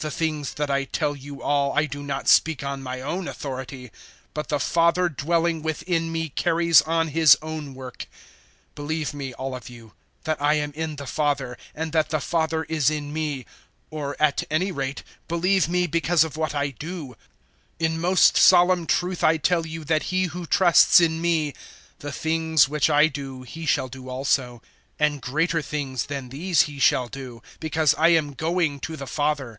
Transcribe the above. The things that I tell you all I do not speak on my own authority: but the Father dwelling within me carries on His own work. 014:011 Believe me, all of you, that I am in the Father and that the Father is in me; or at any rate, believe me because of what I do. 014:012 In most solemn truth I tell you that he who trusts in me the things which I do he shall do also; and greater things than these he shall do, because I am going to the Father.